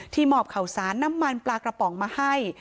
หมอบข่าวสารน้ำมันปลากระป๋องมาให้